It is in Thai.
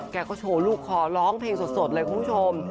แกก็โชว์ลูกคอร้องเพลงสดเลยคุณผู้ชม